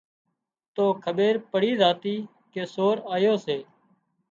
تو کٻير پڙي زاتي ڪي سور آيو سي